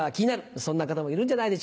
そんな方もいるんじゃないでしょうか。